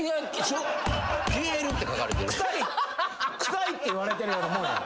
臭いって言われてるようなもんやん。